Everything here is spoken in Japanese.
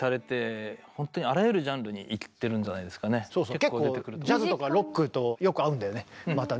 結構ジャズとかロックとよく合うんだよねまたね。